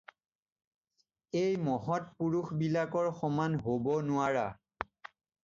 এই মহৎ পুৰুষ বিলাকৰ সমান হ'ব নোৱাৰা